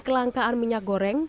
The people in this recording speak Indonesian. kelangkaan minyak goreng